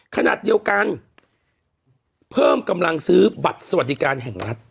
ขณะเดียวกันเพิ่มกำลังซื้อบัตรสวัสดิการแห่งรัฐ